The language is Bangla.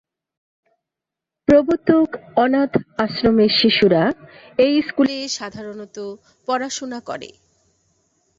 প্রবর্তক অনাথ আশ্রমের শিশুরা এই স্কুলে সাধারণত পড়াশুনা করে।